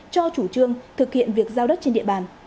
cho chủ trương thực hiện việc giao đất trên địa bàn